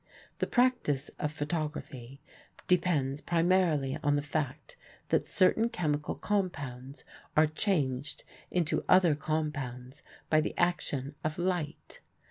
The practice of photography depends primarily on the fact that certain chemical compounds are changed into other compounds by the action of light.